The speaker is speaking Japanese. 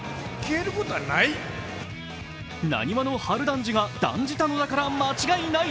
浪花の春団治が断じたのだから間違いない。